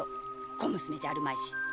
小娘じゃあるまいし。